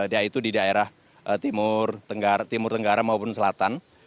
yaitu di daerah timur tenggara maupun selatan